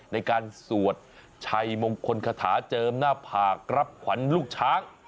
ในการสวดชัยมงคลคาถาเจิมหน้าผากรับขวัญลูกช้าง